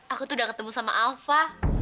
aku tuh udah ketemu sama alpha